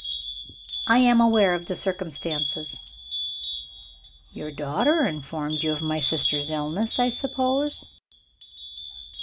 "I am aware of the circumstances." "Your daughter informed you of my sister's illness, I suppose?"